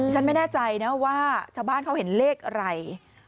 ฉันไม่แน่ใจนะว่าชาวบ้านเขาเห็นเลขอะไร